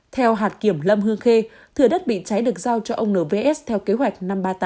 theo hạt kiểm lâm hương khê thừa đất bị cháy được giao cho ông nvs theo kế hoạch năm trăm ba mươi tám